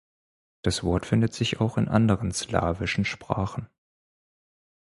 Das Wort findet sich auch in anderen slawischen Sprachen.